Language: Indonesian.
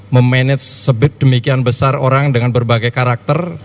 memanage sedemikian besar orang dengan berbagai karakter